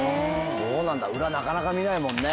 そうなんだ裏なかなか見ないもんね。